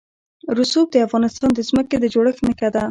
رسوب د افغانستان د ځمکې د جوړښت نښه ده.